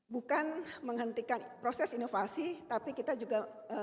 bukan menghentikan proses inovasi tapi kita juga